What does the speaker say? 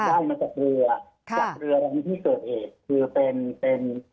ได้มาจากเรือจากเรือในที่เกิดเหตุคือเป็นเป็น